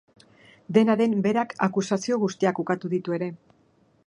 Dena den, berak akusazio guztiak ukatu ditu ere.